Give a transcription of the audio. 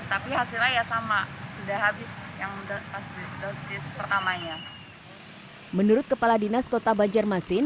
tapi hasilnya ya sama sudah habis yang udah hasil dosis pertamanya menurut kepala dinas kota banjarmasin